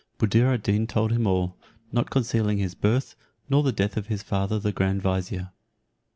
Buddir ad Deen told him all, not concealing his birth, nor the death of his father the grand vizier.